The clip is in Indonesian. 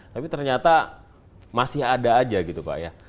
tapi ternyata masih ada aja gitu pak ya